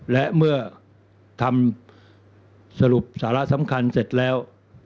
และเมื่อทำสรุปสาระสำคัญเสร็จแล้ว